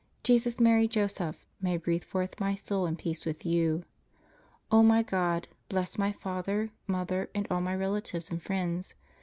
Jesus, Mary, Joseph, may I breathe forth my soul in peace with you. O my God, bless my father, mother, and all my relatives and friends.